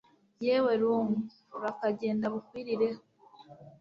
yewe rungu urakagenda bukwirireho